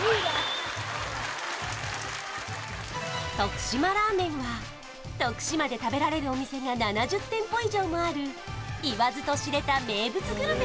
徳島ラーメンは徳島で食べられるお店が７０店舗以上もある言わずと知れた名物グルメ